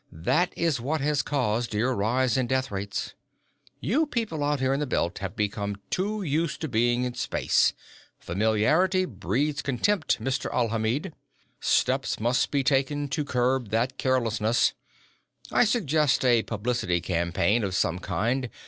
That is what has caused your rise in death rates. You people out here in the Belt have become too used to being in space. Familiarity breeds contempt, Mr. Alhamid. "Steps must be taken to curb that carelessness. I suggest a publicity campaign of some kind.